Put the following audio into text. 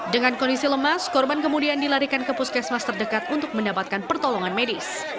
dengan kondisi lemas korban kemudian dilarikan ke puskesmas terdekat untuk mendapatkan pertolongan medis